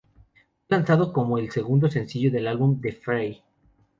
Fue lanzada como el segundo sencillo del álbum "The Fray".